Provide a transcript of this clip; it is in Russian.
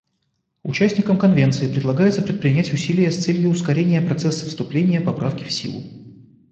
Участникам Конвенции предлагается предпринять усилия с целью ускорения процесса вступления Поправки в силу.